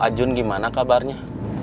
ajun gimana kabarnya